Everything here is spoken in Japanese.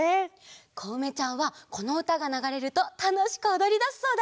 こうめちゃんはこのうたがながれるとたのしくおどりだすそうだよ。